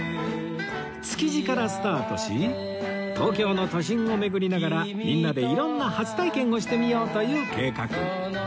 築地からスタートし東京の都心を巡りながらみんなで色んな初体験をしてみようという計画